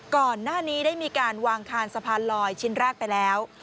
ก่อนหน้านี้ได้มีการวางคานสะพานลอยชิ้นแรกไปแล้ว